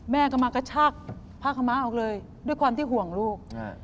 แม่ก็มากระชากผ้าขม้าออกเลยด้วยความที่ห่วงลูก